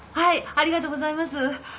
ありがとうございます。